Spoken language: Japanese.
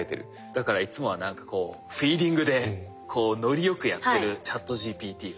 だからいつもは何かこうフィーリングでこうノリ良くやってるＣｈａｔＧＰＴ君。